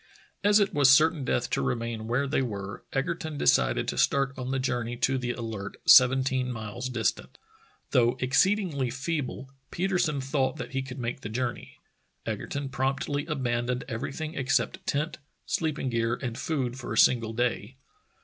As it was certain death to remain where they were, Egerton decided to start on the journey to the Alert, seventeen miles distant. Though exceedingly feeble, Petersen thought that he could make the journey. Egerton promptly abandoned everything except tent, sleeping gear, and food for a single day.